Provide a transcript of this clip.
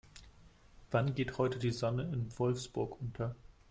Wann geht heute die Sonne in Wolfsburg unter?